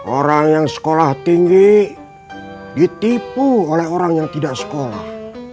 orang yang sekolah tinggi ditipu oleh orang yang tidak sekolah